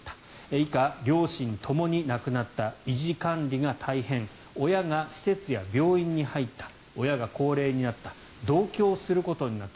以下、両親ともに亡くなった維持管理が大変親が施設や病院に入った親が高齢になった同居をすることになった。